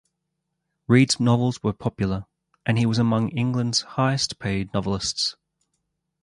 Reade's novels were popular, and he was among England's highest-paid novelists.